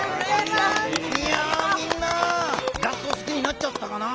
みんな合奏すきになっちゃったかな？